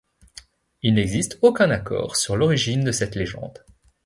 Il n'existe aucun accord sur l'origine de cette légende.